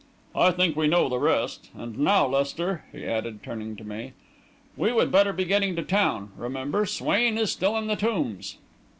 I think we know the rest. And now, Lester," he added, turning to me, "we would better be getting to town. Remember, Swain is still in the Tombs."